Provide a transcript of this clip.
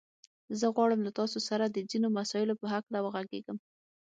زه غواړم له تاسو سره د ځينو مسايلو په هکله وغږېږم.